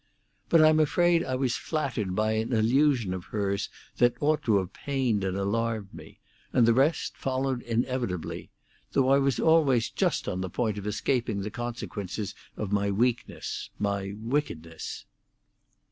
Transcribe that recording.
But I'm afraid I was flattered by an illusion of hers that ought to have pained and alarmed me, and the rest followed inevitably, though I was always just on the point of escaping the consequences of my weakness—my wickedness."